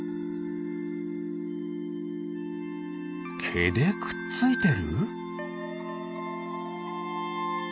けでくっついてる？